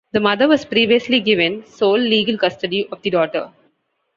The mother was previously given sole legal custody of the daughter.